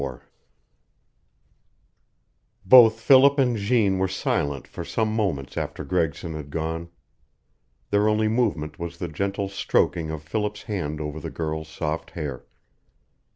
XXIV Both Philip and Jeanne were silent for some moments after Gregson had gone; their only movement was the gentle stroking of Philip's hand over the girl's soft hair.